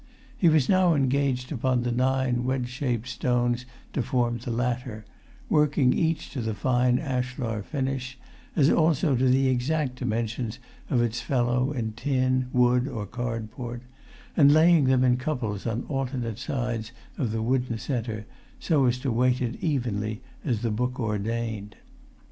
He was now engaged upon the nine wedge shaped stones to form the latter, working each to the fine ashlar finish, as also to the exact dimensions of its fellow in tin, wood, or cardboard, and laying them in couples on alternate sides of the wooden centre, so as to weight it evenly as the book ordained.